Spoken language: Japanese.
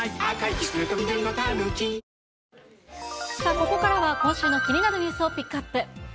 ここからは今週の気になるニュースをピックアップ。